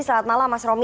selamat malam mas romy